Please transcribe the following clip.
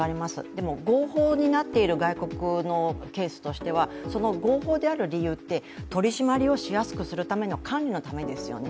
でも、合法になっている外国のケースとしてはその合法である理由って取り締まりをしやすくするための管理のためですよね。